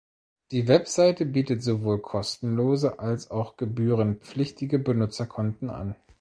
Die Website bietet sowohl kostenlose als auch gebührenpflichtige Benutzerkonten an.